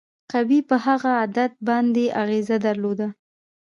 قوې په هغه عدد باندې اغیزه درلوده.